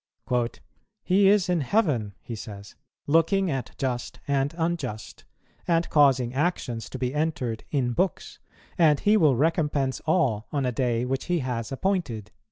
"He is in heaven," he says, "looking at just and unjust, and causing actions to be entered in books; and He will recompense all on a day which He has appointed."